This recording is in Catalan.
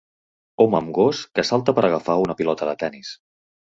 Home amb gos que salta per agafar una pilota de tennis